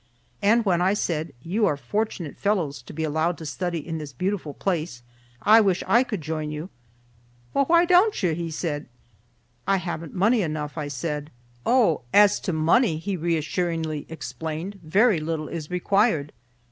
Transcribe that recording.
And when I said, "You are fortunate fellows to be allowed to study in this beautiful place. I wish I could join you." "Well, why don't you?" he asked. "I haven't money enough," I said. "Oh, as to money," he reassuringly explained, "very little is required.